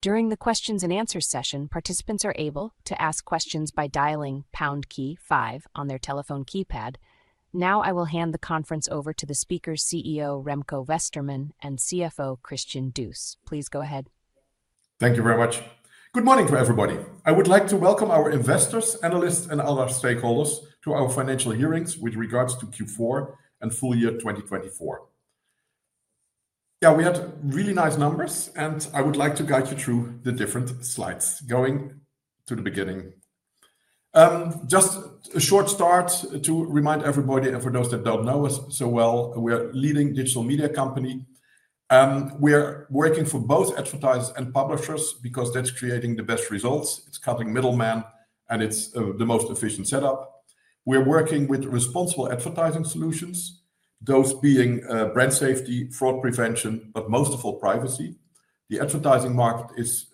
During the Q&A session, participants are able to ask questions by dialing #5 on their telephone keypad. Now I will hand the conference over to the speakers, CEO Remco Westermann and CFO Christian Duus. Please go ahead. Thank you very much. Good morning to everybody. I would like to welcome our investors, analysts, and other stakeholders to our financial hearings with regards to Q4 and full year 2024. Yeah, we had really nice numbers, and I would like to guide you through the different slides going to the beginning. Just a short start to remind everybody, and for those that don't know us so well, we're a leading digital media company. We're working for both advertisers and publishers because that's creating the best results. It's cutting middlemen, and it's the most efficient setup. We're working with responsible advertising solutions, those being brand safety, fraud prevention, but most of all, privacy. The advertising market is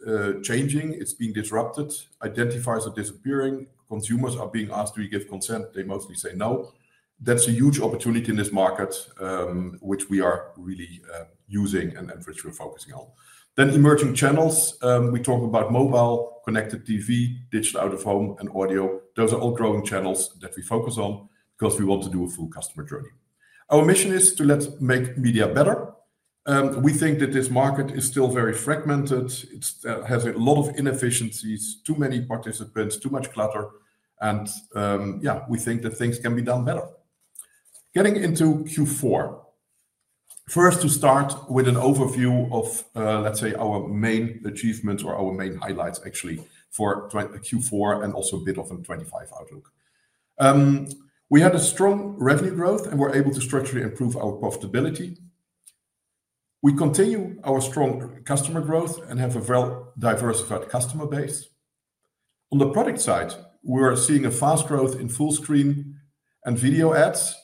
changing. It's being disrupted. Identifiers are disappearing. Consumers are being asked, "Do you give consent?" They mostly say no. That's a huge opportunity in this market, which we are really using and which we're focusing on. Then emerging channels. We talk about mobile, connected TV, digital out-of-home, and audio. Those are all growing channels that we focus on because we want to do a full customer journey. Our mission is: let's make media better. We think that this market is still very fragmented. It has a lot of inefficiencies, too many participants, too much clutter, and yeah, we think that things can be done better. Getting into Q4, first to start with an overview of, let's say, our main achievements or our main highlights actually for Q4 and also a bit of a 2025 outlook. We had a strong revenue growth, and we're able to structurally improve our profitability. We continue our strong customer growth and have a well-diversified customer base. On the product side, we're seeing a fast growth in full screen and video ads.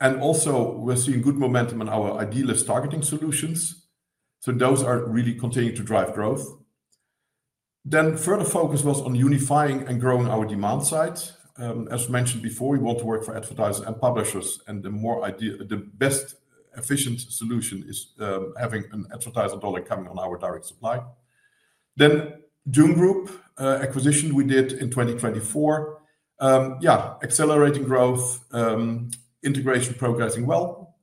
And also, we're seeing good momentum in our ID-less targeting solutions. So those are really continuing to drive growth. Then further focus was on unifying and growing our demand side. As mentioned before, we want to work for advertisers and publishers, and the best efficient solution is having an advertiser dollar coming on our direct supply. Then Jun Group acquisition we did in 2024. Yeah, accelerating growth, integration progressing well.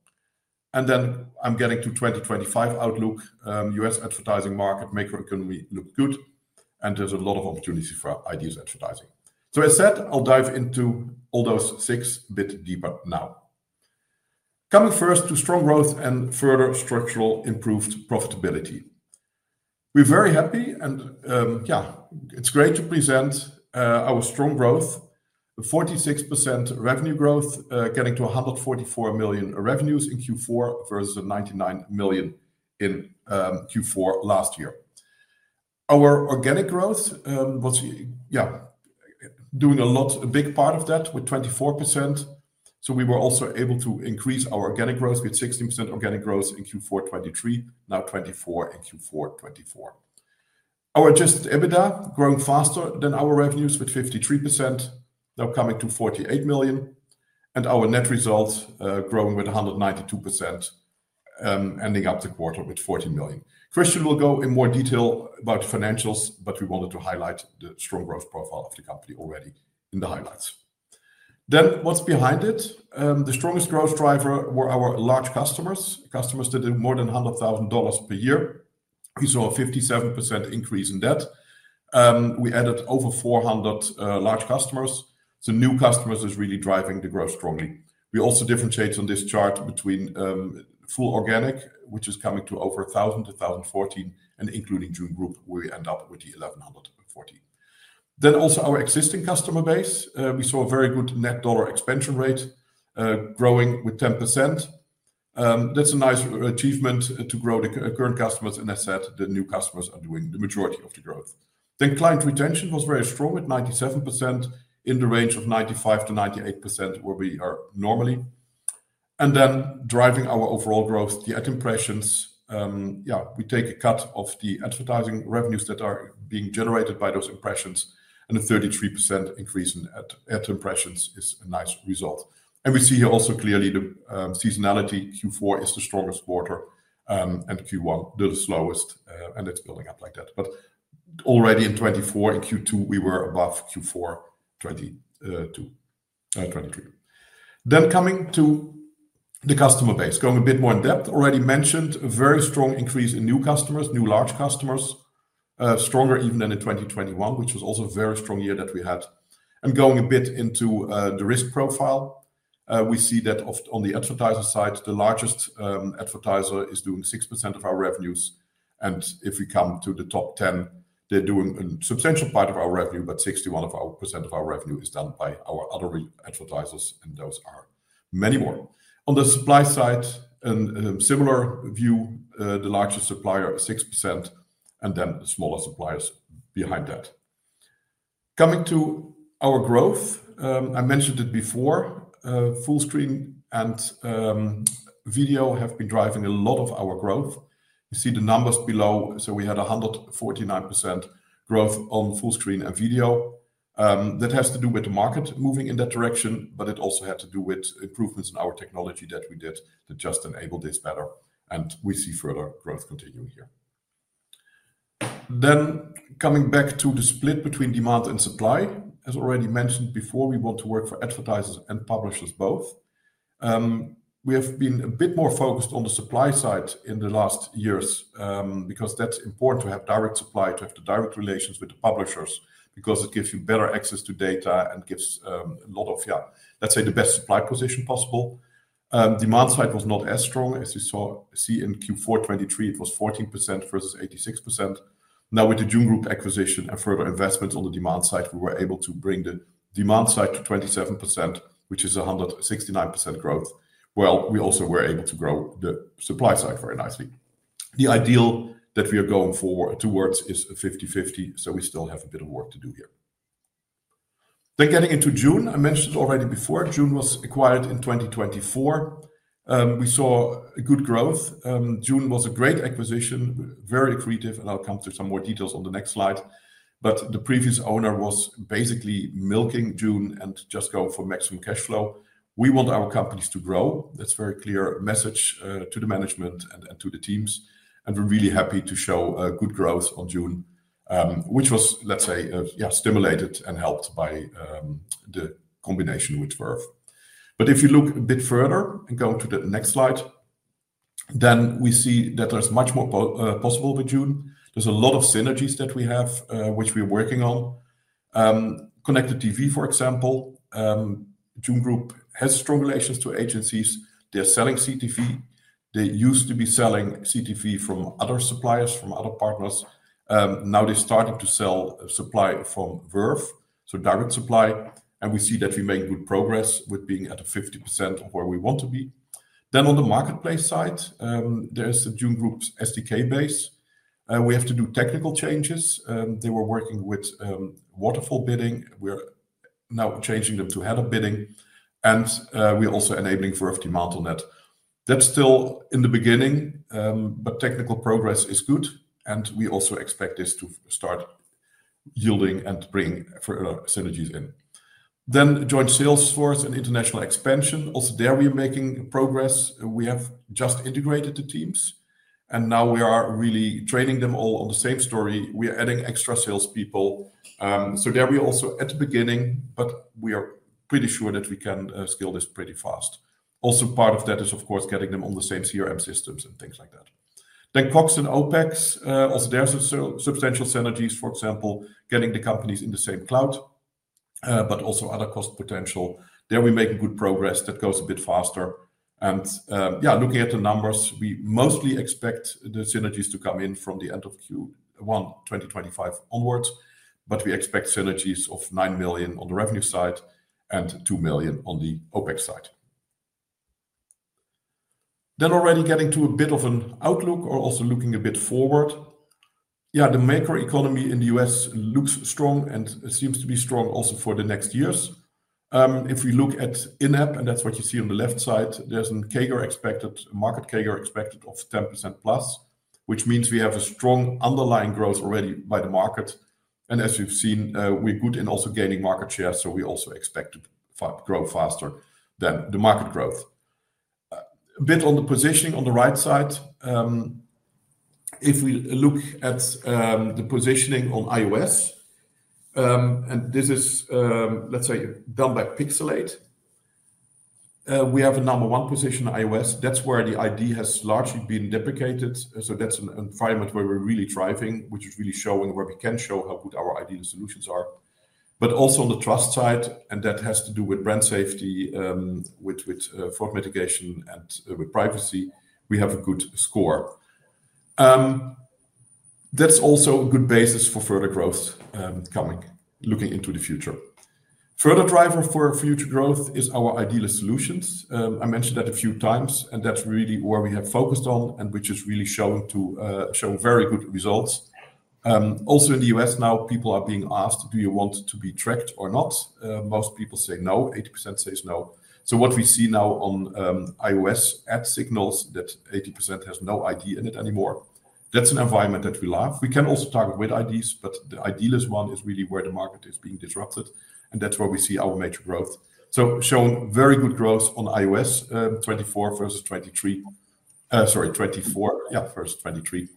And then I'm getting to 2025 outlook. U.S. advertising market, macroeconomy look good, and there's a lot of opportunities for ID-less advertising. So I said, I'll dive into all those six a bit deeper now. Coming first to strong growth and further structural improved profitability. We're very happy, and yeah, it's great to present our strong growth, 46% revenue growth, getting to 144 million revenues in Q4 versus 99 million in Q4 last year. Our organic growth was, yeah, doing a lot, a big part of that with 24%. So we were also able to increase our organic growth with 16% organic growth in Q4 2023, now 24% in Q4 2024. Our Adjusted EBITDA growing faster than our revenues with 53%, now coming to 48 million, and our net result growing with 192%, ending up the quarter with 40 million. Christian will go in more detail about financials, but we wanted to highlight the strong growth profile of the company already in the highlights. Then what's behind it? The strongest growth driver were our large customers, customers that did more than $100,000 per year. We saw a 57% increase in that. We added over 400 large customers, so new customers is really driving the growth strongly. We also differentiate on this chart between full organic, which is coming to over 1,000 to 1,014, and including Jun Group, we end up with the 1,114. Then also our existing customer base, we saw a very good net dollar expansion rate growing with 10%. That's a nice achievement to grow the current customers, and as I said, the new customers are doing the majority of the growth. Then client retention was very strong at 97% in the range of 95%-98% where we are normally, and then driving our overall growth, the ad impressions, yeah, we take a cut of the advertising revenues that are being generated by those impressions, and a 33% increase in ad impressions is a nice result. And we see here also clearly the seasonality. Q4 is the strongest quarter and Q1 the slowest, and it's building up like that. But already in 2024, in Q2, we were above Q4 2023. Then coming to the customer base, going a bit more in depth, already mentioned a very strong increase in new customers, new large customers, stronger even than in 2021, which was also a very strong year that we had. And going a bit into the risk profile, we see that on the advertiser side, the largest advertiser is doing 6% of our revenues. And if we come to the top 10, they're doing a substantial part of our revenue, but 61% of our revenue is done by our other advertisers, and those are many more. On the supply side, a similar view, the largest supplier is 6%, and then smaller suppliers behind that. Coming to our growth, I mentioned it before, full screen and video have been driving a lot of our growth. You see the numbers below. So we had 149% growth on full screen and video. That has to do with the market moving in that direction, but it also had to do with improvements in our technology that we did that just enabled this better, and we see further growth continuing here, then coming back to the split between demand and supply, as already mentioned before, we want to work for advertisers and publishers both. We have been a bit more focused on the supply side in the last years because that's important to have direct supply, to have the direct relations with the publishers, because it gives you better access to data and gives a lot of, yeah, let's say the best supply position possible. Demand side was not as strong as you saw in Q4 2023; it was 14% versus 86%. Now with the Jun Group acquisition and further investments on the demand side, we were able to bring the demand side to 27%, which is 169% growth. We also were able to grow the supply side very nicely. The ideal that we are going forward towards is 50/50, so we still have a bit of work to do here. Getting into Jun, I mentioned it already before. Jun was acquired in 2024. We saw good growth. Jun was a great acquisition, very creative, and I'll come to some more details on the next slide. But the previous owner was basically milking Jun and just going for maximum cash flow. We want our companies to grow. That's a very clear message to the management and to the teams. We're really happy to show good growth on Jun Group, which was, let's say, yeah, stimulated and helped by the combination with Verve. If you look a bit further and go to the next slide, then we see that there's much more possible with Jun Group. There's a lot of synergies that we have, which we are working on. Connected TV, for example, Jun Group has strong relations to agencies. They're selling CTV. They used to be selling CTV from other suppliers, from other partners. Now they're starting to sell supply from Verve, so direct supply. And we see that we make good progress with being at 50% of where we want to be. On the marketplace side, there's the Jun Group's SDK base. We have to do technical changes. They were working with waterfall bidding. We're now changing them to header bidding. We're also enabling Verve Demand on that. That's still in the beginning, but technical progress is good. We also expect this to start yielding and bringing further synergies in. Then, joint sales force and international expansion. Also, there we are making progress. We have just integrated the teams. Now we are really training them all on the same story. We are adding extra salespeople. So, there we are also at the beginning, but we are pretty sure that we can scale this pretty fast. Also, part of that is, of course, getting them on the same CRM systems and things like that. Then, CapEx and OpEx. Also, there's substantial synergies, for example, getting the companies in the same cloud, but also other cost potential. There, we make good progress that goes a bit faster. Yeah, looking at the numbers, we mostly expect the synergies to come in from the end of Q1 2025 onwards, but we expect synergies of 9 million on the revenue side and 2 million on the OpEx side. Already getting to a bit of an outlook or also looking a bit forward. Yeah, the macroeconomy in the U.S. looks strong and seems to be strong also for the next years. If we look at in-app, and that's what you see on the left side, there's a CAGR expected, market CAGR expected of 10% plus, which means we have a strong underlying growth already by the market. As you've seen, we're good in also gaining market share. We also expect to grow faster than the market growth. A bit on the positioning on the right side. If we look at the positioning on iOS, and this is, let's say, done by Pixalate, we have a number one position on iOS. That's where the ID has largely been deprecated. So that's an environment where we're really driving, which is really showing where we can show how good our ID-less solutions are. But also on the trust side, and that has to do with brand safety, with fraud mitigation, and with privacy, we have a good score. That's also a good basis for further growth coming, looking into the future. Further driver for future growth is our ID-less solutions. I mentioned that a few times, and that's really where we have focused on and which is really showing very good results. Also in the U.S. now, people are being asked, "Do you want to be tracked or not?" Most people say no. 80% says no. So what we see now on iOS ad signals, that 80% has no ID in it anymore. That's an environment that we love. We can also target with IDs, but the ID-less one is really where the market is being disrupted. And that's where we see our major growth. So showing very good growth on iOS 2024 versus 2023. Sorry, 2024, yeah, versus 2023.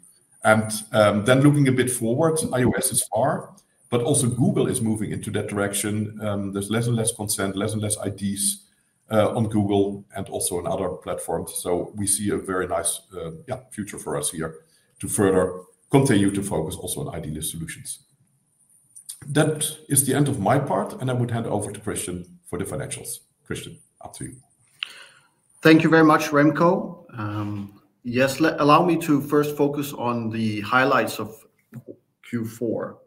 And then looking a bit forward, iOS is first, but also Google is moving into that direction. There's less and less consent, less and less IDs on Google and also on other platforms. So we see a very nice future for us here to further continue to focus also on ID-less solutions. That is the end of my part, and I would hand over to Christian for the financials. Christian, up to you. Thank you very much, Remco. Yes, allow me to first focus on the highlights of Q4.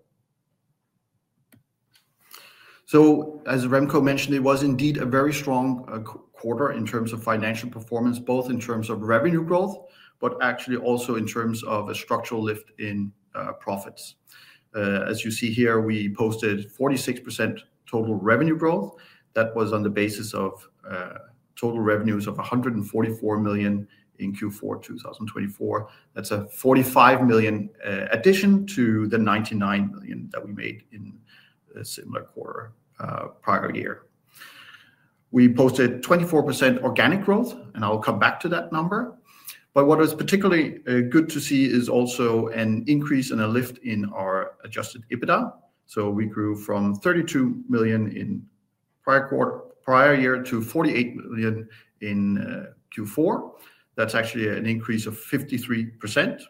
So as Remco mentioned, it was indeed a very strong quarter in terms of financial performance, both in terms of revenue growth, but actually also in terms of a structural lift in profits. As you see here, we posted 46% total revenue growth. That was on the basis of total revenues of 144 million in Q4 2024. That's a 45 million addition to the 99 million that we made in a similar quarter prior year. We posted 24% organic growth, and I'll come back to that number. But what was particularly good to see is also an increase and a lift in our Adjusted EBITDA. So we grew from 32 million in prior quarter, prior year to 48 million in Q4. That's actually an increase of 53%.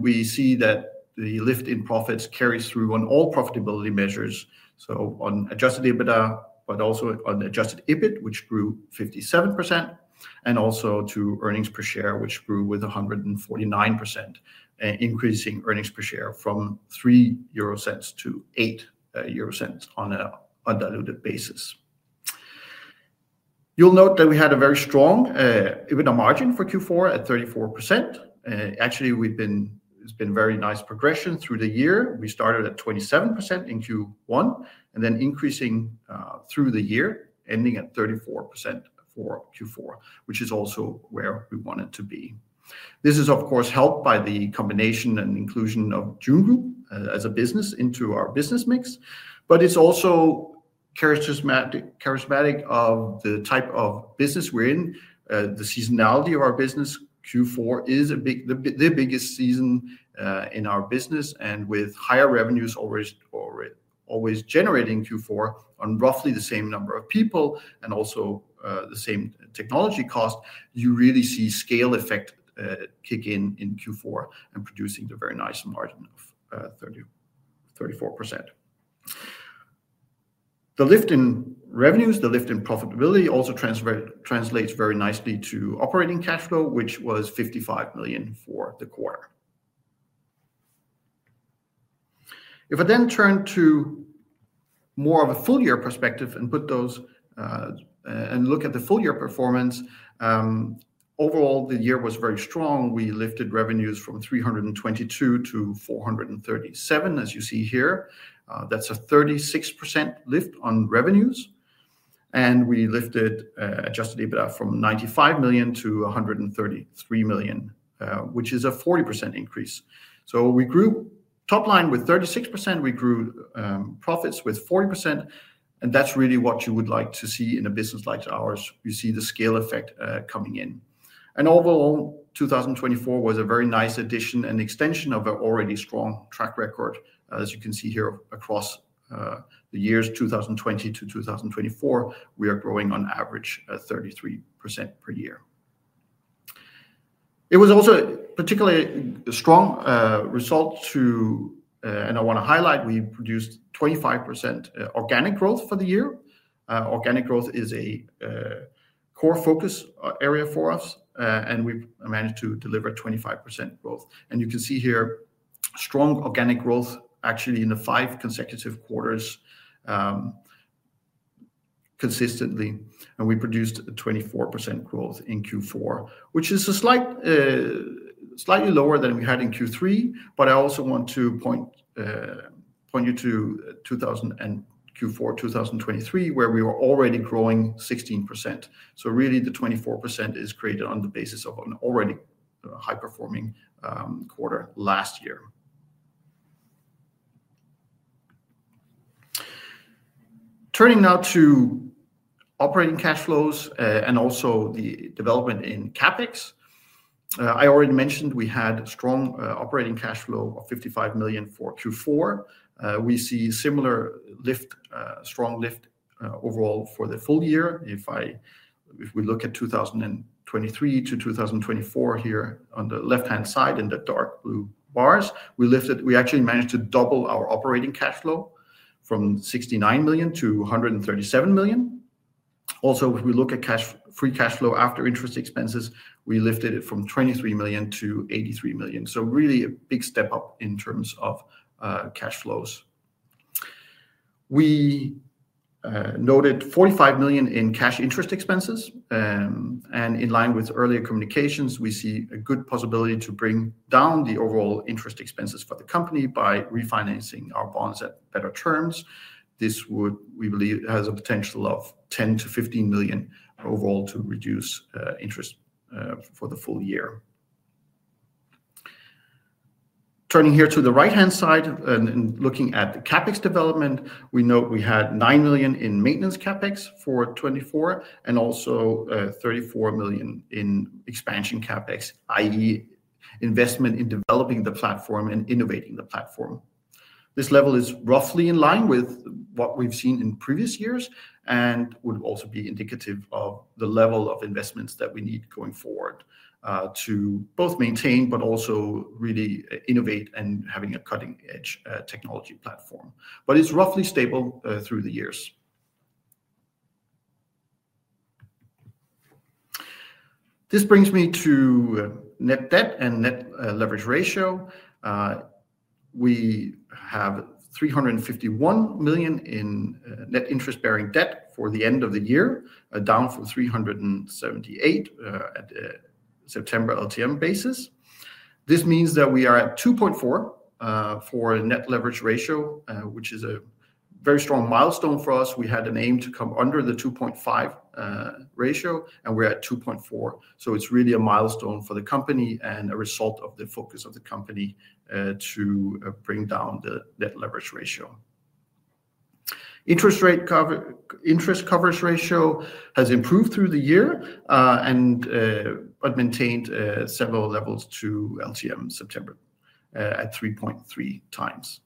We see that the lift in profits carries through on all profitability measures, so on adjusted EBITDA, but also on adjusted EBIT, which grew 57%, and also to earnings per share, which grew with 149%, increasing earnings per share from 0.03 to 0.08 on an undiluted basis. You'll note that we had a very strong EBITDA margin for Q4 at 34%. Actually, it's been a very nice progression through the year. We started at 27% in Q1 and then increasing through the year, ending at 34% for Q4, which is also where we wanted to be. This is, of course, helped by the combination and inclusion of Jun Group as a business into our business mix. But it's also characteristic of the type of business we're in, the seasonality of our business. Q4 is the biggest season in our business, and with higher revenues always generating in Q4 on roughly the same number of people and also the same technology cost, you really see scale effect kick in in Q4 and producing the very nice margin of 34%. The lift in revenues, the lift in profitability also translates very nicely to operating cash flow, which was 55 million for the quarter. If I then turn to more of a full year perspective and look at the full year performance. Overall, the year was very strong. We lifted revenues from 322 million to 437 million, as you see here. That's a 36% lift on revenues, and we lifted Adjusted EBITDA from 95 million to 133 million, which is a 40% increase so we grew top line with 36%. We grew profits with 40%. That's really what you would like to see in a business like ours. You see the scale effect coming in. Overall, 2024 was a very nice addition and extension of our already strong track record. As you can see here across the years 2020 to 2024, we are growing on average 33% per year. It was also a particularly strong result, too, and I want to highlight, we produced 25% organic growth for the year. Organic growth is a core focus area for us, and we managed to deliver 25% growth. You can see here strong organic growth actually in the five consecutive quarters consistently. We produced 24% growth in Q4, which is slightly lower than we had in Q3. I also want to point you to Q4 2023, where we were already growing 16%. So really the 24% is created on the basis of an already high-performing quarter last year. Turning now to operating cash flows and also the development in CapEx. I already mentioned we had strong operating cash flow of 55 million for Q4. We see similar lift, strong lift overall for the full year. If we look at 2023 to 2024 here on the left-hand side in the dark blue bars, we lifted, we actually managed to double our operating cash flow from 69 million to 137 million. Also, if we look at free cash flow after interest expenses, we lifted it from 23 million to 83 million. So really a big step up in terms of cash flows. We noted 45 million in cash interest expenses. In line with earlier communications, we see a good possibility to bring down the overall interest expenses for the company by refinancing our bonds at better terms. This would, we believe, has a potential of 10 million-15 million overall to reduce interest for the full year. Turning here to the right-hand side and looking at the CapEx development, we note we had nine million in maintenance CapEx for 2024 and also 34 million in expansion CapEx, i.e., investment in developing the platform and innovating the platform. This level is roughly in line with what we've seen in previous years and would also be indicative of the level of investments that we need going forward to both maintain, but also really innovate and having a cutting-edge technology platform. But it's roughly stable through the years. This brings me to net debt and net leverage ratio. We have 351 million in net interest-bearing debt for the end of the year, down from 378 million at a September LTM basis. This means that we are at 2.4 for net leverage ratio, which is a very strong milestone for us. We had an aim to come under the 2.5 ratio, and we're at 2.4. So it's really a milestone for the company and a result of the focus of the company to bring down the net leverage ratio. Interest coverage ratio has improved through the year, but maintained several levels to LTM September at 3.3 times.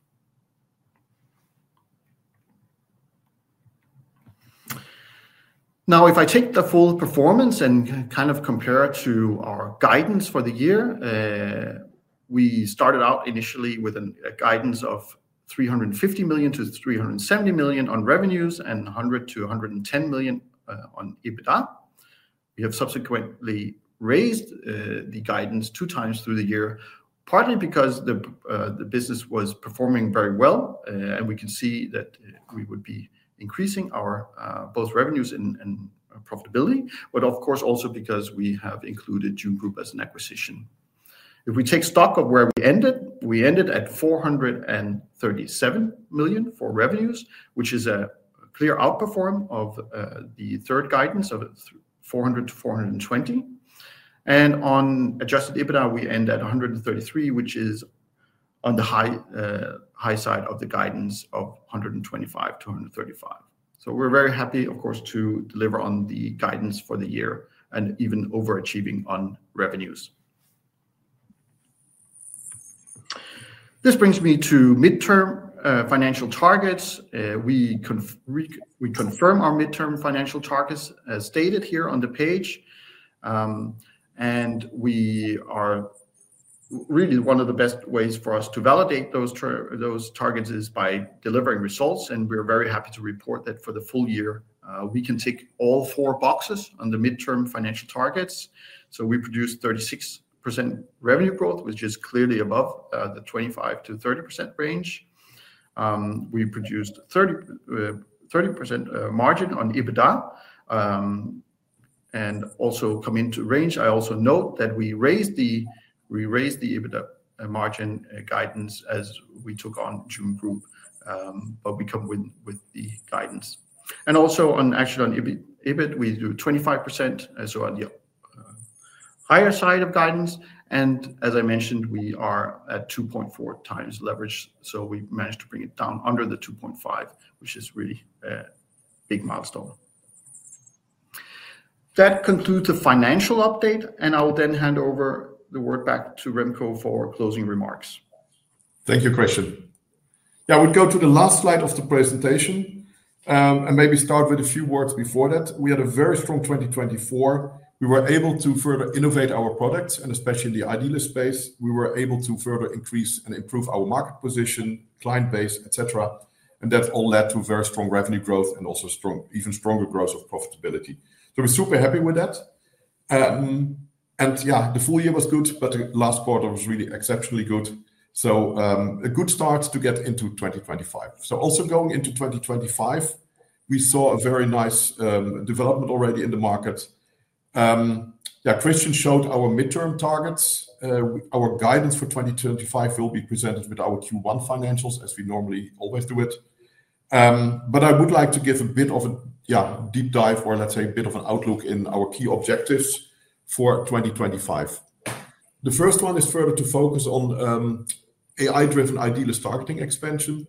Now, if I take the full performance and kind of compare it to our guidance for the year, we started out initially with a guidance of 350-370 million on revenues and 100-110 million on EBITDA. We have subsequently raised the guidance two times through the year, partly because the business was performing very well, and we can see that we would be increasing our both revenues and profitability, but of course, also because we have included Jun Group as an acquisition. If we take stock of where we ended, we ended at 437 million for revenues, which is a clear outperform of the third guidance of 400 million to 420 million, and on adjusted EBITDA, we end at 133 million, which is on the high side of the guidance of 125 million to 135 million, so we're very happy, of course, to deliver on the guidance for the year and even overachieving on revenues. This brings me to midterm financial targets. We confirm our midterm financial targets as stated here on the page, and really one of the best ways for us to validate those targets is by delivering results. We're very happy to report that for the full year, we can tick all four boxes on the midterm financial targets. We produced 36% revenue growth, which is clearly above the 25%-30% range. We produced 30% margin on EBITDA and also come into range. I also note that we raised the EBITDA margin guidance as we took on Jun Group, but we come with the guidance. Also actually on EBIT, we do 25%, so on the higher side of guidance. As I mentioned, we are at 2.4 times leverage. We managed to bring it down under the 2.5, which is really a big milestone. That concludes the financial update. I will then hand over the word back to Remco for closing remarks. Thank you, Christian. Yeah, I would go to the last slide of the presentation and maybe start with a few words before that. We had a very strong 2024. We were able to further innovate our products, and especially in the ID-less space, we were able to further increase and improve our market position, client base, etc., and that all led to very strong revenue growth and also even stronger growth of profitability, so we're super happy with that, and yeah, the full year was good, but the last quarter was really exceptionally good, so a good start to get into 2025, so also going into 2025, we saw a very nice development already in the market. Yeah, Christian showed our midterm targets. Our guidance for 2025 will be presented with our Q1 financials as we normally always do it. But I would like to give a bit of a deep dive or let's say a bit of an outlook in our key objectives for 2025. The first one is further to focus on AI-driven ID-less targeting expansion.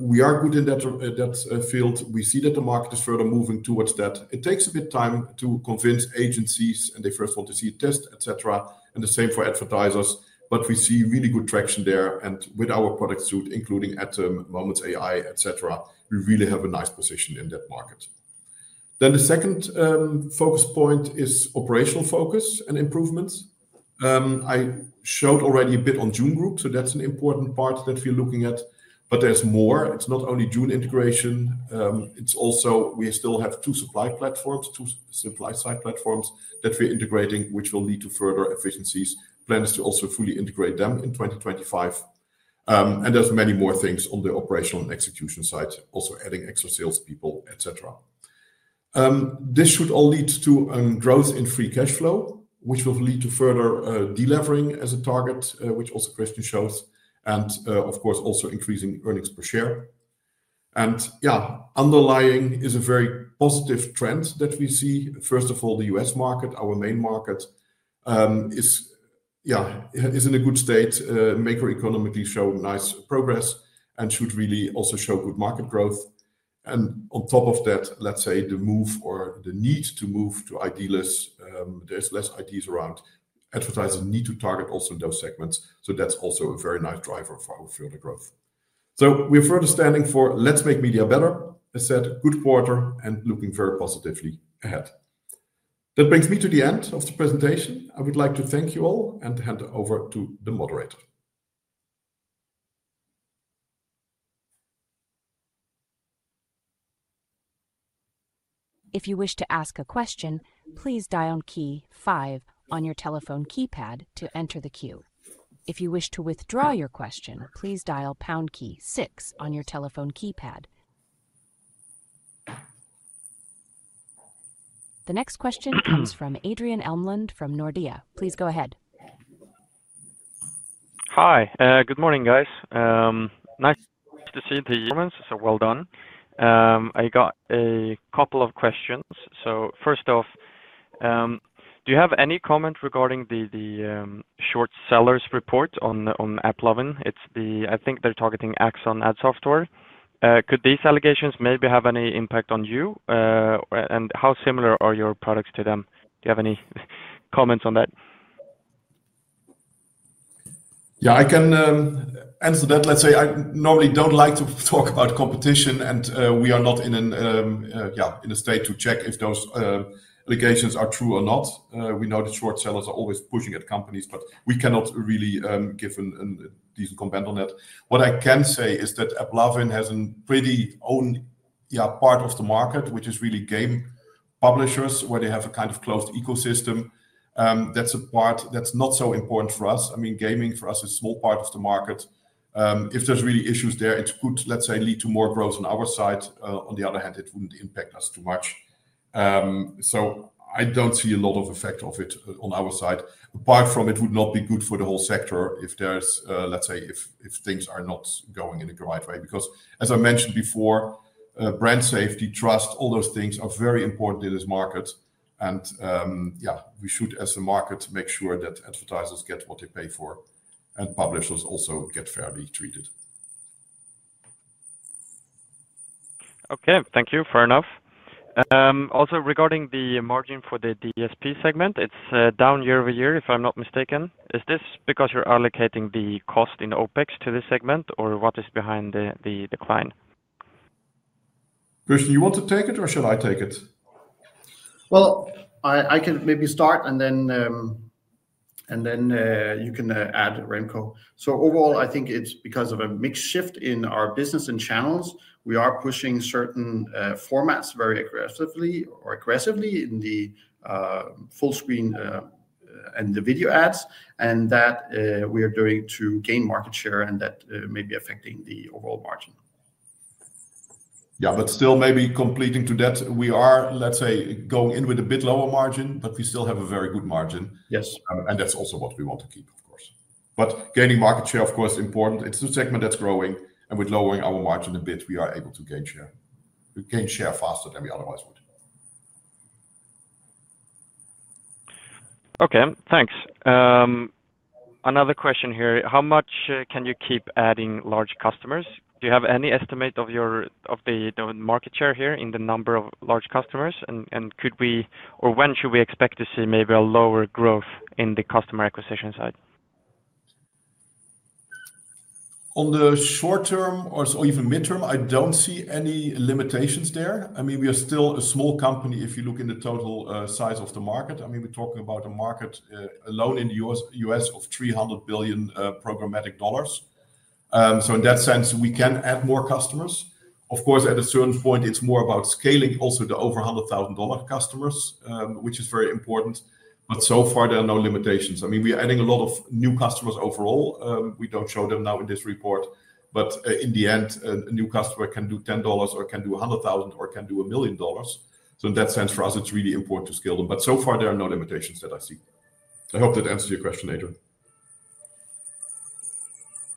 We are good in that field. We see that the market is further moving towards that. It takes a bit of time to convince agencies, and they first want to see a test, etc. And the same for advertisers. But we see really good traction there. And with our product suite, including, at the moment, AI, etc., we really have a nice position in that market. Then the second focus point is operational focus and improvements. I showed already a bit on Jun Group, so that's an important part that we're looking at. But there's more. It's not only Jun integration. It's also, we still have two supply platforms, two supply side platforms that we're integrating, which will lead to further efficiencies. Plan is to also fully integrate them in 2025, and there's many more things on the operational and execution side, also adding extra salespeople, etc. This should all lead to growth in free cash flow, which will lead to further delivering as a target, which also Christian shows, and of course, also increasing earnings per share, and yeah, underlying is a very positive trend that we see. First of all, the U.S. market, our main market, is in a good state. Macro economically show nice progress and should really also show good market growth. And on top of that, let's say the move or the need to move to ID-less, there's less IDs around advertising need to target also in those segments. So that's also a very nice driver for our further growth. So we're further standing for, let's make media better, as said, good quarter, and looking very positively ahead. That brings me to the end of the presentation. I would like to thank you all and hand it over to the moderator. If you wish to ask a question, please dial key five on your telephone keypad to enter the queue. If you wish to withdraw your question, please dial pound key six on your telephone keypad. The next question comes from Adrian Elmlund from Nordea. Please go ahead. Hi, good morning, guys. Nice to see the performance. So well done. I got a couple of questions. So first off, do you have any comment regarding the short sellers report on AppLovin? It's the, I think they're targeting Axon Ad Software. Could these allegations maybe have any impact on you? How similar are your products to them? Do you have any comments on that? Yeah, I can answer that. Let's say I normally don't like to talk about competition, and we are not in a state to check if those allegations are true or not. We know that short sellers are always pushing at companies, but we cannot really give a decent comment on that. What I can say is that AppLovin has a pretty own part of the market, which is really game publishers, where they have a kind of closed ecosystem. That's a part that's not so important for us. I mean, gaming for us is a small part of the market. If there's really issues there, it could, let's say, lead to more growth on our side. On the other hand, it wouldn't impact us too much. I don't see a lot of effect of it on our side. Apart from, it would not be good for the whole sector if there's, let's say, if things are not going in a right way. Because as I mentioned before, brand safety, trust, all those things are very important in this market. And yeah, we should, as a market, make sure that advertisers get what they pay for and publishers also get fairly treated. Okay, thank you. Fair enough. Also regarding the margin for the DSP segment, it's down year-over-year, if I'm not mistaken. Is this because you're allocating the cost in OpEx to this segment, or what is behind the decline? Christian, you want to take it, or should I take it? Well, I can maybe start, and then you can add Remco. So, overall, I think it's because of a mixed shift in our business and channels. We are pushing certain formats very aggressively in the full screen and the video ads, and that we are doing to gain market share, and that may be affecting the overall margin. Yeah, but still maybe complementing that, we are, let's say, going in with a bit lower margin, but we still have a very good margin, and that's also what we want to keep, of course, but gaining market share, of course, is important. It's a segment that's growing, and with lowering our margin a bit, we are able to gain share faster than we otherwise would. Okay, thanks. Another question here. How much can you keep adding large customers? Do you have any estimate of the market share here in the number of large customers? And could we, or when should we expect to see maybe a lower growth in the customer acquisition side? On the short term or even midterm, I don't see any limitations there. I mean, we are still a small company if you look in the total size of the market. I mean, we're talking about a market alone in the U.S. of $300 billion programmatic dollars. So in that sense, we can add more customers. Of course, at a certain point, it's more about scaling also the over 100,000 goal of customers, which is very important. But so far, there are no limitations. I mean, we are adding a lot of new customers overall. We don't show them now in this report. But in the end, a new customer can do $10 or can do $100,000 or can do $1 million. So in that sense, for us, it's really important to scale them. But so far, there are no limitations that I see. I hope that answers your question, Adrian.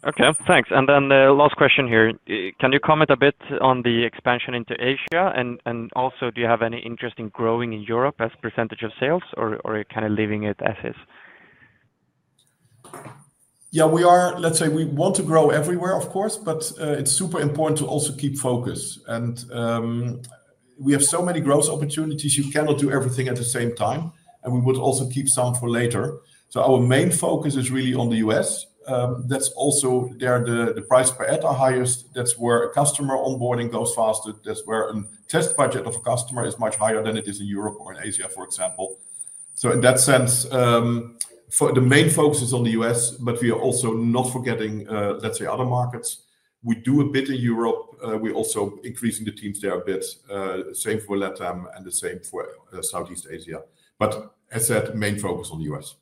Okay, thanks. And then last question here. Can you comment a bit on the expansion into Asia? And also, do you have any interest in growing in Europe as a percentage of sales or kind of leaving it as is? Yeah, we are. Let's say, we want to grow everywhere, of course, but it's super important to also keep focus. And we have so many growth opportunities. You cannot do everything at the same time. And we would also keep some for later. So our main focus is really on the U.S.. That's also where the price per head is highest. That's where customer onboarding goes faster. That's where a test budget of a customer is much higher than it is in Europe or in Asia, for example. So in that sense, the main focus is on the U.S., but we are also not forgetting, let's say, other markets. We do a bit in Europe. We're also increasing the teams there a bit. Same for LATAM and the same for Southeast Asia. But as said, main focus on the U.S..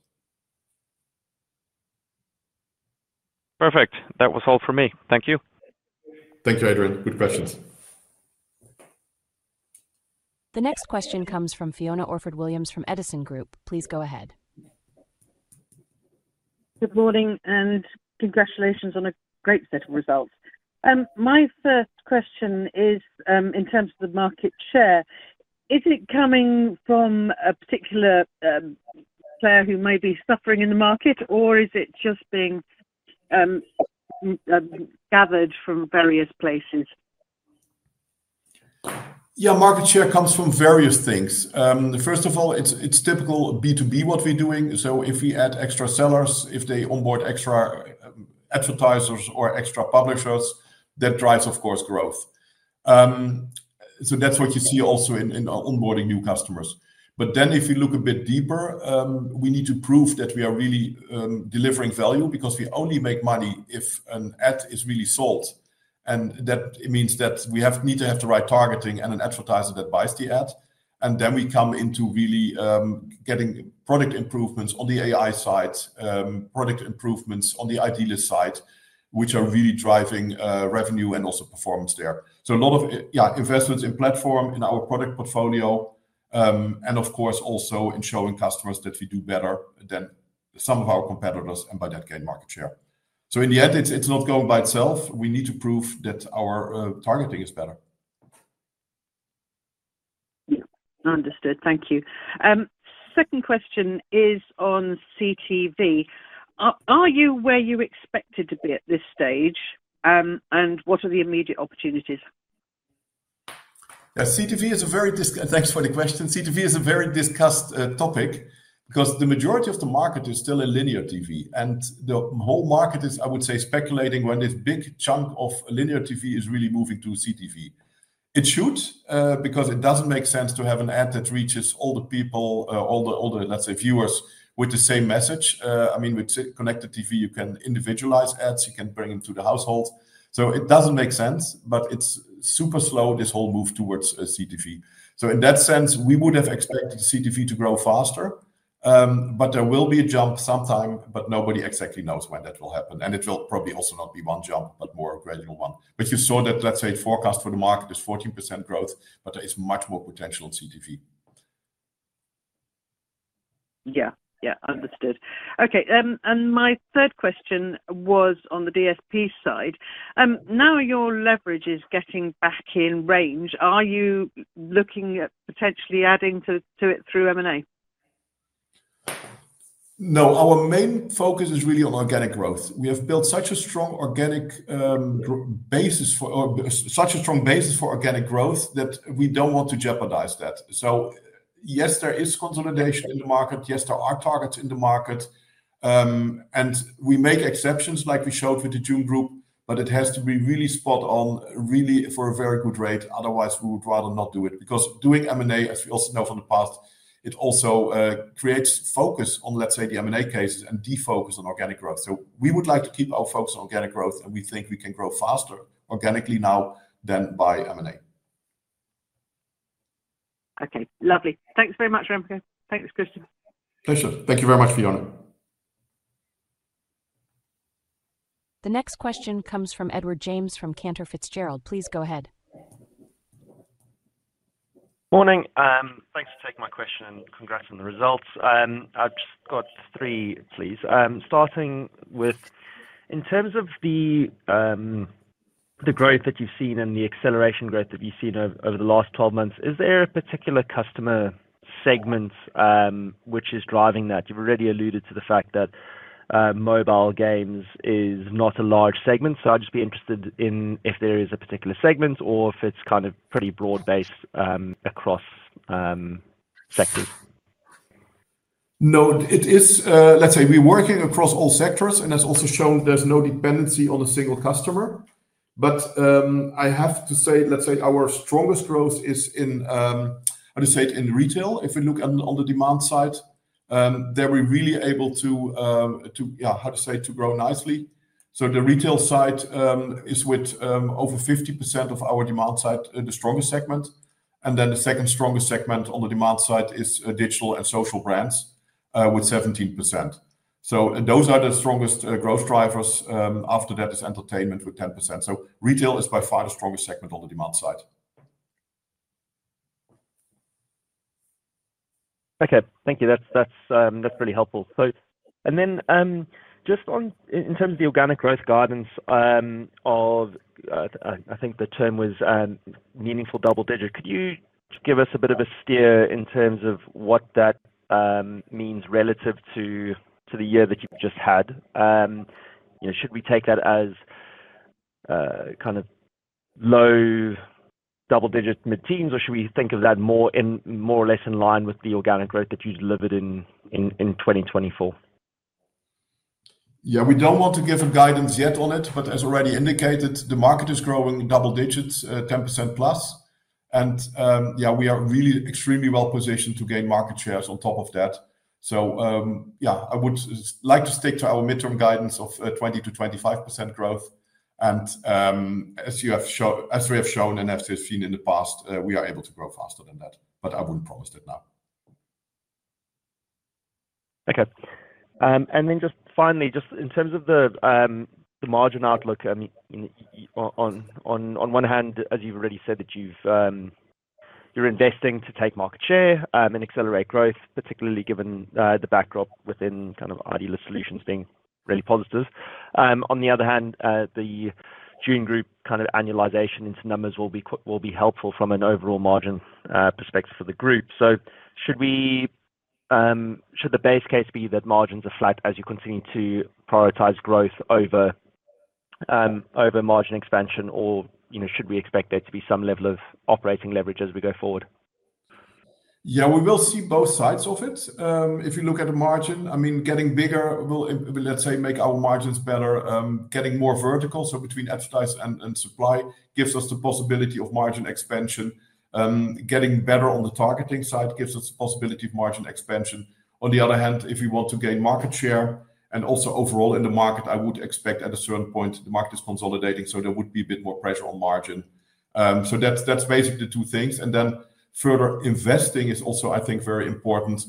Perfect. That was all for me. Thank you. Thank you, Adrian. Good questions. The next question comes from Fiona Orford-Williams from Edison Group. Please go ahead. Good morning and congratulations on a great set of results. My first question is in terms of the market share. Is it coming from a particular player who may be suffering in the market, or is it just being gathered from various places? Yeah, market share comes from various things. First of all, it's typical B2B what we're doing. So if we add extra sellers, if they onboard extra advertisers or extra publishers, that drives, of course, growth. So that's what you see also in onboarding new customers. But then if you look a bit deeper, we need to prove that we are really delivering value because we only make money if an ad is really sold. And that means that we need to have the right targeting and an advertiser that buys the ad. And then we come into really getting product improvements on the AI side, product improvements on the ID-less side, which are really driving revenue and also performance there. So a lot of investments in platform, in our product portfolio, and of course, also in showing customers that we do better than some of our competitors and by that gain market share. So in the end, it's not going by itself. We need to prove that our targeting is better. Understood. Thank you. Second question is on CTV. Are you where you expected to be at this stage, and what are the immediate opportunities? CTV is a very. Thanks for the question. CTV is a very discussed topic because the majority of the market is still in linear TV. And the whole market is, I would say, speculating when this big chunk of linear TV is really moving to CTV. It should because it doesn't make sense to have an ad that reaches all the people, all the, let's say, viewers with the same message. I mean, with connected TV, you can individualize ads. You can bring them to the household. So it doesn't make sense, but it's super slow, this whole move towards CTV. So in that sense, we would have expected CTV to grow faster, but there will be a jump sometime, but nobody exactly knows when that will happen. And it will probably also not be one jump, but more a gradual one. But you saw that, let's say, forecast for the market is 14% growth, but there is much more potential in CTV. Yeah, yeah, understood. Okay. And my third question was on the DSP side. Now your leverage is getting back in range. Are you looking at potentially adding to it through M&A? No, our main focus is really on organic growth. We have built such a strong organic basis for organic growth that we don't want to jeopardize that. So yes, there is consolidation in the market. Yes, there are targets in the market. And we make exceptions like we showed with the Jun Group, but it has to be really spot on, really for a very good rate. Otherwise, we would rather not do it because doing M&A, as we also know from the past, it also creates focus on, let's say, the M&A cases and defocus on organic growth. So we would like to keep our focus on organic growth, and we think we can grow faster organically now than by M&A. Okay, lovely. Thanks very much, Remco. Thanks, Christian. Pleasure. Thank you very much, Fiona. The next question comes from Edward James from Cantor Fitzgerald. Please go ahead. Morning. Thanks for taking my question and congrats on the results. I've just got three, please. Starting with, in terms of the growth that you've seen and the acceleration growth that you've seen over the last 12 months, is there a particular customer segment which is driving that? You've already alluded to the fact that mobile games is not a large segment. So I'd just be interested in if there is a particular segment or if it's kind of pretty broad-based across sectors. No, it is, let's say, we're working across all sectors, and it's also shown there's no dependency on a single customer. But I have to say, let's say, our strongest growth is in, how to say it, in retail. If we look on the demand side, there we're really able to, yeah, how to say, to grow nicely. So the retail side is with over 50% of our demand side, the strongest segment. And then the second strongest segment on the demand side is digital and social brands with 17%. So those are the strongest growth drivers. After that is entertainment with 10%. So retail is by far the strongest segment on the demand side. Okay, thank you. That's really helpful. And then just in terms of the organic growth guidance of, I think the term was meaningful double digit, could you give us a bit of a steer in terms of what that means relative to the year that you've just had? Should we take that as kind of low double digit mid-teens, or should we think of that more or less in line with the organic growth that you delivered in 2024? Yeah, we don't want to give a guidance yet on it, but as already indicated, the market is growing double digits, 10% plus. Yeah, we are really extremely well positioned to gain market shares on top of that. Yeah, I would like to stick to our midterm guidance of 20%-25% growth. As we have shown and as we have seen in the past, we are able to grow faster than that, but I wouldn't promise that now. Okay. Then just finally, just in terms of the margin outlook, on one hand, as you've already said that you're investing to take market share and accelerate growth, particularly given the backdrop within kind of ID-less solutions being really positive. On the other hand, the Jun Group kind of annualization into numbers will be helpful from an overall margin perspective for the group. So should the base case be that margins are flat as you continue to prioritize growth over margin expansion, or should we expect there to be some level of operating leverage as we go forward? Yeah, we will see both sides of it. If you look at the margin, I mean, getting bigger will, let's say, make our margins better. Getting more vertical, so between advertiser and supply, gives us the possibility of margin expansion. Getting better on the targeting side gives us the possibility of margin expansion. On the other hand, if we want to gain market share and also overall in the market, I would expect at a certain point the market is consolidating, so there would be a bit more pressure on margin. So that's basically the two things, and then further investing is also, I think, very important.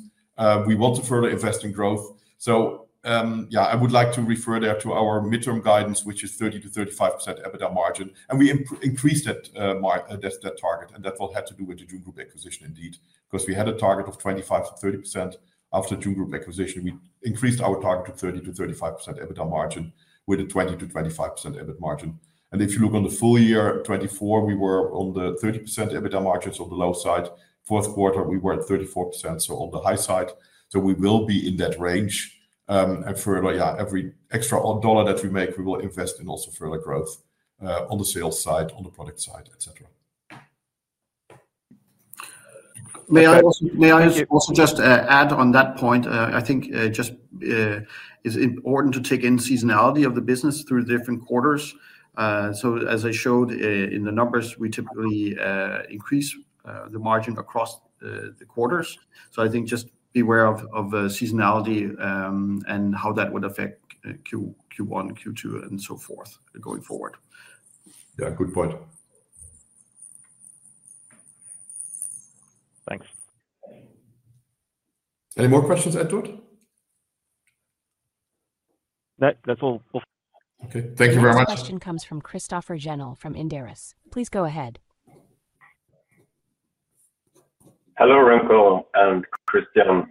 We want to further invest in growth. So yeah, I would like to refer there to our midterm guidance, which is 30%-35% EBITDA margin, and we increased that target, and that will have to do with the Jun Group acquisition indeed because we had a target of 25%-30% after Jun Group acquisition. We increased our target to 30%-35% EBITDA margin with a 20%-25% EBITDA margin, and if you look on the full year 2024, we were on the 30% EBITDA margins on the low side. Fourth quarter, we were at 34%, so on the high side, so we will be in that range, and further, yeah, every extra dollar that we make, we will invest in also further growth on the sales side, on the product side, etc. May I also just add on that point? I think just it's important to take in seasonality of the business through different quarters. So as I showed in the numbers, we typically increase the margin across the quarters. So I think just beware of seasonality and how that would affect Q1, Q2, and so forth going forward. Yeah, good point. Thanks. Any more questions, Edward? That's all. Okay, thank you very much. The question comes from Christoffer Jennel from Inderes. Please go ahead. Hello, Remco and Christian.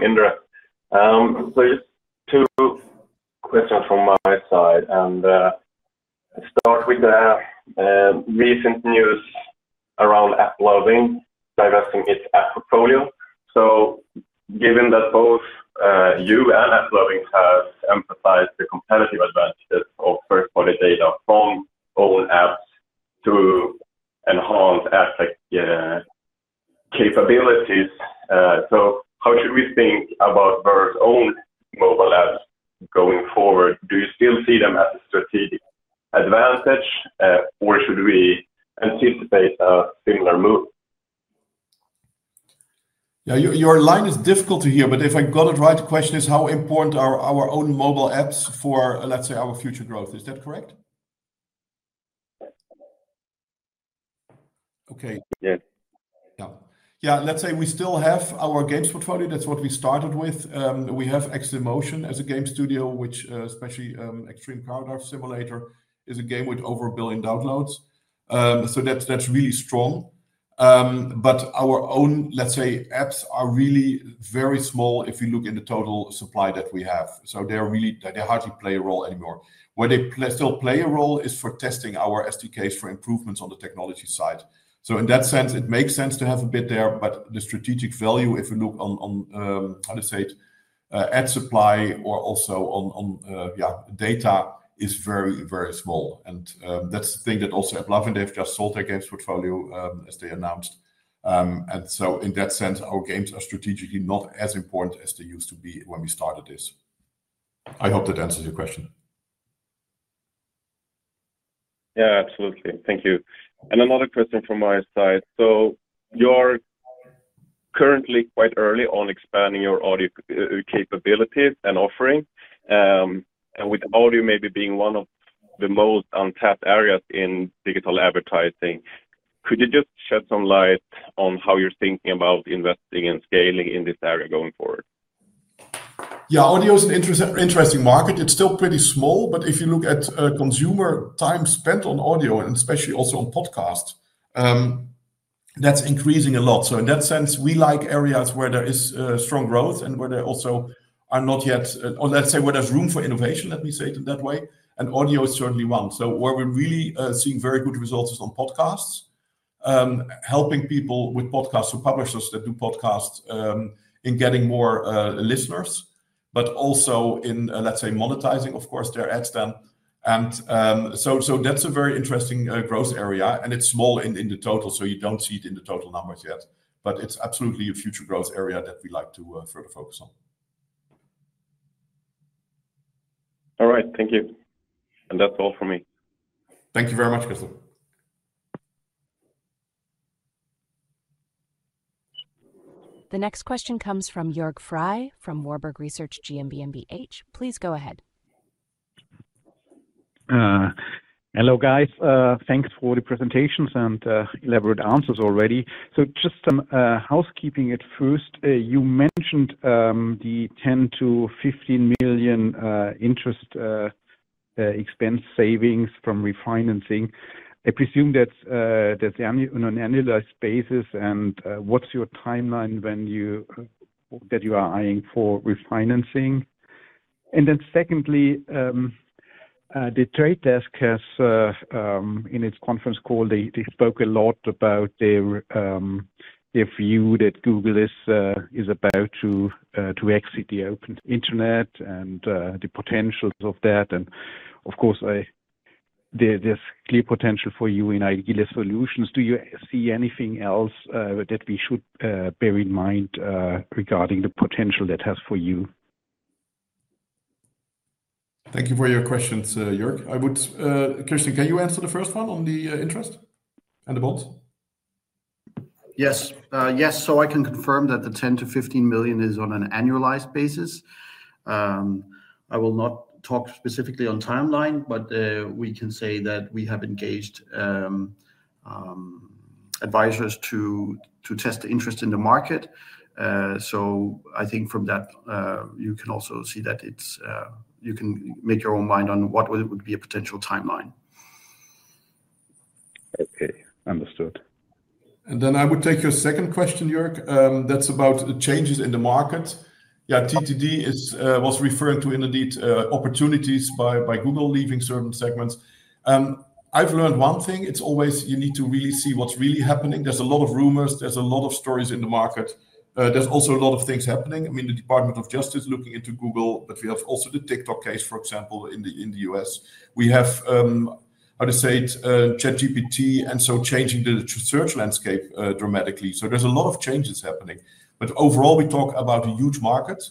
Inderes. So just two questions from my side. And I'll start with the recent news your line is difficult to hear, but if I got it right, the question is how important are our own mobile apps for, let's say, our future growth? Is that correct? Okay. Yes. Yeah. Yeah, let's say we still have our games portfolio. That's what we started with. We have AxesInMotion as a game studio, which especially Extreme Car Driving Simulator is a game with over a billion downloads. So that's really strong. But our own, let's say, apps are really very small if you look in the total supply that we have. So they hardly play a role anymore. Where they still play a role is for testing our SDKs for improvements on the technology side. So, in that sense, it makes sense to have a bit there, but the strategic value, if you look on, how to say it, ad supply or also on data, is very, very small. And that's the thing that also AppLovin they've just sold their games portfolio as they announced. And so, in that sense, our games are strategically not as important as they used to be when we started this. I hope that answers your question. Yeah, absolutely. Thank you. And another question from my side. So, you're currently quite early on expanding your audio capabilities and offering, and with audio maybe being one of the most untapped areas in digital advertising. Could you just shed some light on how you're thinking about investing and scaling in this area going forward? Yeah, audio is an interesting market. It's still pretty small, but if you look at consumer time spent on audio, and especially also on podcasts, that's increasing a lot. So in that sense, we like areas where there is strong growth and where there also are not yet, or let's say where there's room for innovation, let me say it in that way. And audio is certainly one. So where we're really seeing very good results is on podcasts, helping people with podcasts, so publishers that do podcasts in getting more listeners, but also in, let's say, monetizing, of course, their ad spend. And so that's a very interesting growth area, and it's small in the total, so you don't see it in the total numbers yet, but it's absolutely a future growth area that we like to further focus on. All right, thank you. And that's all for me. Thank you very much, Christian. The next question comes from Jörg Frey from Warburg Research GmbH. Please go ahead. Hello guys. Thanks for the presentations and elaborate answers already. So just some housekeeping at first. You mentioned the 10 million-15 million interest expense savings from refinancing. I presume that's on an annualized basis. And what's your timeline that you are eyeing for refinancing? And then secondly, The Trade Desk has in its conference call, they spoke a lot about their view that Google is about to exit the open internet and the potentials of that. And of course, there's clear potential for you in ID-less solutions. Do you see anything else that we should bear in mind regarding the potential that has for you? Thank you for your questions, Jörg. Christian, can you answer the first one on the interest and the bonds? Yes. Yes. So I can confirm that the 10million-15 million is on an annualized basis. I will not talk specifically on timeline, but we can say that we have engaged advisors to test the interest in the market. So I think from that, you can also see that you can make your own mind on what would be a potential timeline. Okay, understood. And then I would take your second question, Jörg. That's about changes in the market. Yeah, TTD was referring to indeed opportunities by Google leaving certain segments. I've learned one thing. It's always you need to really see what's really happening. There's a lot of rumors. There's a lot of stories in the market. There's also a lot of things happening. I mean, the Department of Justice looking into Google, but we have also the TikTok case, for example, in the U.S.. We have, how to say it, ChatGPT and so changing the search landscape dramatically. So there's a lot of changes happening. But overall, we talk about a huge market.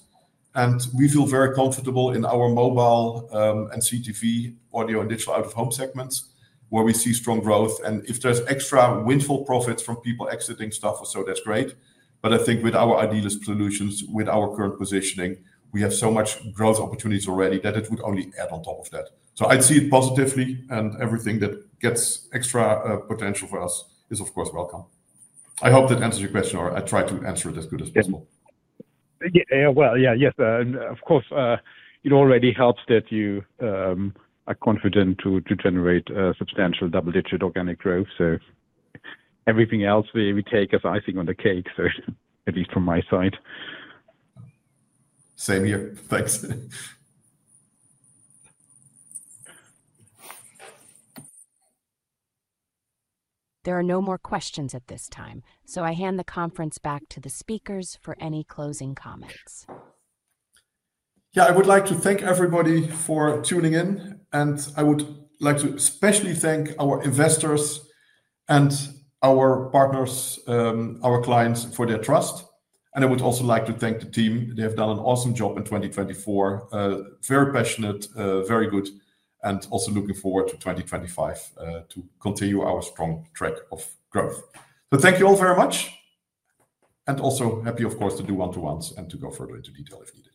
And we feel very comfortable in our mobile and CTV, audio and digital out-of-home segments where we see strong growth. And if there's extra windfall profits from people exiting stuff, so that's great. But I think with our ID-less solutions, with our current positioning, we have so much growth opportunities already that it would only add on top of that. So I'd see it positively, and everything that gets extra potential for us is, of course, welcome. I hope that answers your question, or I tried to answer it as good as possible. Yeah. Well, yeah, yes. Of course, it already helps that you are confident to generate substantial double-digit organic growth. So everything else, we take as icing on the cake, at least from my side. Same here. Thanks. There are no more questions at this time, so I hand the conference back to the speakers for any closing comments. Yeah, I would like to thank everybody for tuning in, and I would like to especially thank our investors and our partners, our clients for their trust. And I would also like to thank the team. They have done an awesome job in 2024. Very passionate, very good, and also looking forward to 2025 to continue our strong track of growth. So thank you all very much. And also happy, of course, to do one-to-ones and to go further into detail if needed.